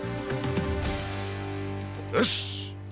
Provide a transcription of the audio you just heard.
よし！